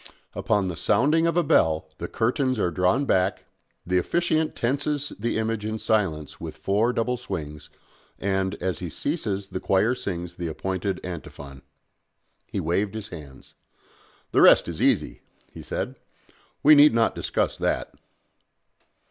Upon the sounding of a bell the curtains are drawn back, the officiant tenses the image in silence with four double swings, and, as he ceases the choir sings the appointed antiphon." He waved his hands. "The rest is easy," he said. "We need not discuss that."